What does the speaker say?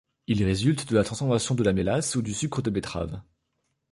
Il résulte de la transformation de la mélasse ou du sucre de betterave.